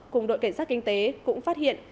cùng đội cảnh sát kinh tế cũng phát hiện